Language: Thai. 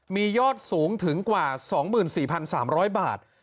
มียอดสูงถึงกว่า๒๔๓๐๐บาท